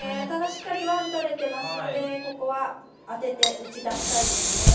ただ、しっかりワンとれていますのでここは、当てて打ち出したいですね。